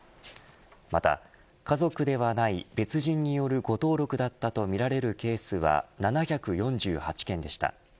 また家族ではない別人による誤登録だったとみられるケースは７４８件でした。